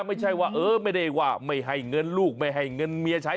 ไม่ใช่ว่าเออไม่ได้ว่าไม่ให้เงินลูกไม่ให้เงินเมียใช้